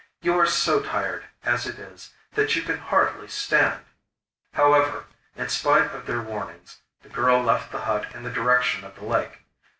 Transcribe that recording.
'You are so tired, as it is, that you can hardly stand!' However, in spite of their warnings, the girl left the hut in the direction of the lake.